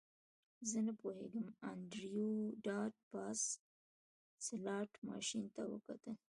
زه نه پوهیږم انډریو ډاټ باس سلاټ ماشین ته وکتل